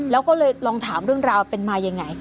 แล้วก็เลยลองถามเรื่องราวเป็นมายังไง